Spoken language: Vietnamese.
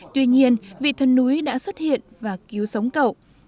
tuy nhiên vị thân núi đã xuất hiện và cứu sống cậu